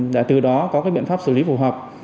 để từ đó có cái biện pháp xử lý phù hợp